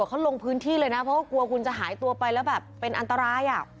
เขาลงพื้นที่เลยนะเพราะว่ากลัวคุณจะหายตัวไปแล้วแบบเป็นอันตราย